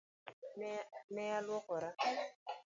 Ne aluokora.